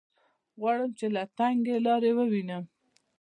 غواړم چې دا تنګې لارې ووینم.